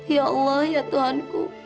ya allah ya tuhan ku